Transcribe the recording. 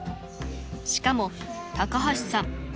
［しかも高橋さん